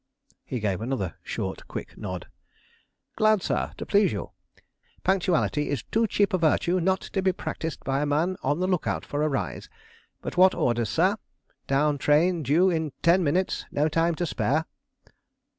He gave another short, quick nod. "Glad, sir, to please you. Punctuality is too cheap a virtue not to be practised by a man on the lookout for a rise. But what orders, sir? Down train due in ten minutes; no time to spare."